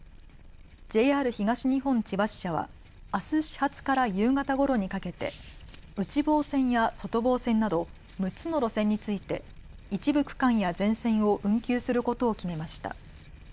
ＪＲ東日本千葉支社はあす始発から夕方ごろにかけて内房線や外房線など６つの路線について一部区間や全線を運休することを決めました。